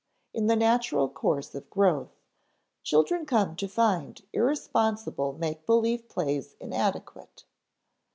In the natural course of growth, children come to find irresponsible make believe plays inadequate.